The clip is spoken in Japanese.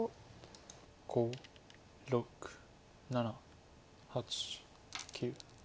５６７８９。